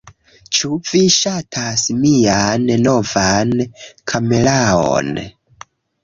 Ĉu vi ŝatas mian novan kameraon?